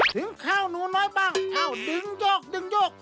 ถึงข้าวหนูน้อยบ้างอ้าวดึงโยก